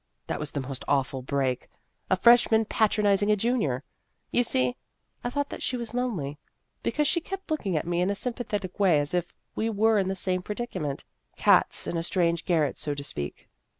That was the most awful break a freshman patronizing a junior ! You see, I thought that she was lonely, because she kept looking at me in a sympathetic way as if we were in the same predicament cats in a strange garret, so to speak.